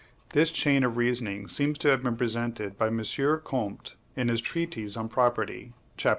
This chain of reasoning seems to have been presented by M. Ch. Comte, in his "Treatise on Property," chap.